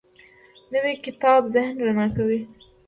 نوی کتاب ذهن رڼا کوي